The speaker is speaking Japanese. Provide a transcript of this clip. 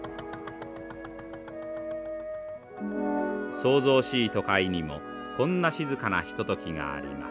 騒々しい都会にもこんな静かなひとときがあります。